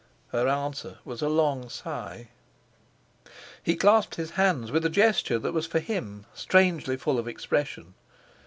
Her answer was a long sigh. He clasped his hands with a gesture that for him was strangely full of expression.